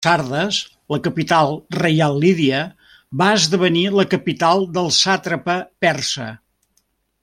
Sardes la capital reial lídia, va esdevenir la capital del sàtrapa persa.